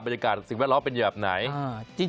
บรรยากาศสิ่งแวดล้อมเป็นยอดแบบไหน